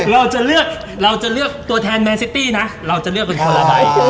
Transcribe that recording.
เราจะเลือกเราจะเลือกตัวแทนแมนซิตี้นะเราจะเลือกเป็นคนละใบ